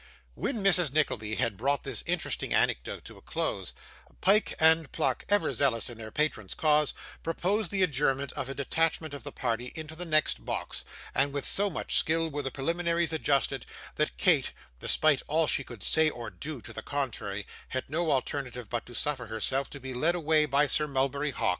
When Mrs. Nickleby had brought this interesting anecdote to a close, Pyke and Pluck, ever zealous in their patron's cause, proposed the adjournment of a detachment of the party into the next box; and with so much skill were the preliminaries adjusted, that Kate, despite all she could say or do to the contrary, had no alternative but to suffer herself to be led away by Sir Mulberry Hawk.